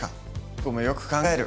僕もよく考える。